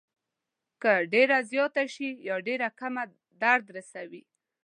که ډېره زیاته شي یا ډېره کمه درد رسوي.